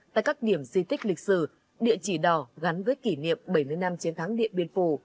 tại các điểm di tích lịch sử địa chỉ đỏ gắn với kỷ niệm bảy mươi năm chiến thắng điện biên phủ